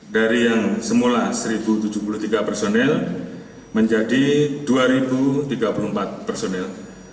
dari yang semula seribu tujuh puluh tiga personel menjadi dua ribu tiga puluh empat personel